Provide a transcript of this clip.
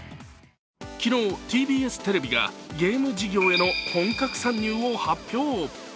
昨日、ＴＢＳテレビがゲーム事業への本格参入を発表。